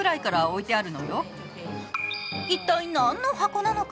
一体、何の箱なのか。